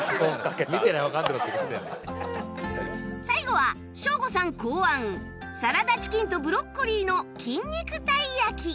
最後はショーゴさん考案サラダチキンとブロッコリーの筋肉たい焼き